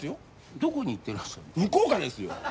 どこに行ってらっしゃった福岡ですよ